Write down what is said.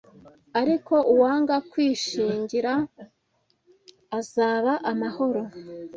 ariko uwanga kwishingira azaba amahoro